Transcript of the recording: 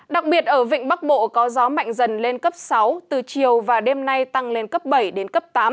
đặc biệt ở vịnh bắc bộ có gió mạnh dần lên cấp sáu từ chiều và đêm nay tăng lên cấp bảy đến cấp tám